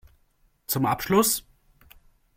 Zum Abschluss?